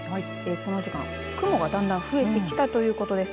この時間、雲がだんだん増えてきたということです。